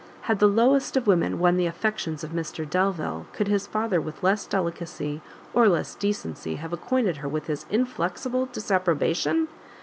Had the lowest of women won the affections of Mr Delvile, could his father with less delicacy or less decency have acquainted her with his inflexible disapprobation?